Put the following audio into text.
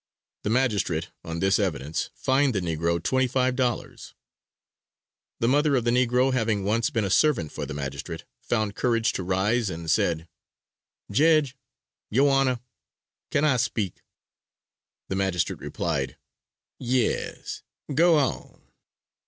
The magistrate on this evidence fined the negro twenty five dollars. The mother of the negro having once been a servant for the magistrate, found courage to rise, and said: "Jedge, yo Honer, can I speak?" The magistrate replied, "Yes, go on."